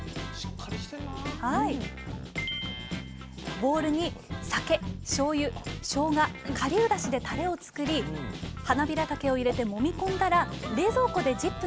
ボウルに酒しょうゆしょうが顆粒だしでたれを作りはなびらたけを入れてもみ込んだら冷蔵庫で１０分寝かせます